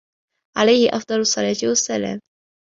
عليه أفضل الصلاة والسلام